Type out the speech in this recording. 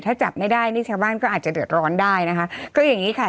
ถ้าจับไม่ได้นี่ชาวบ้านก็อาจจะเดือดร้อนได้นะคะก็อย่างงี้ค่ะ